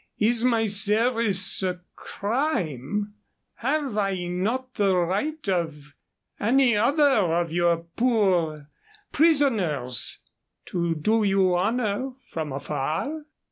Is my service a crime? Have I not the right of any other of your poor prisoners to do you honor from afar?"